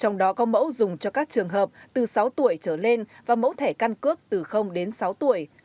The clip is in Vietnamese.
nó dùng cho các trường hợp từ sáu tuổi trở lên và mẫu thẻ căn cước từ đến sáu tuổi